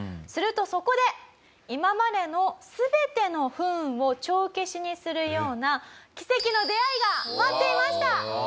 するとそこで今までの全ての不運を帳消しにするような奇跡の出会いが待っていました！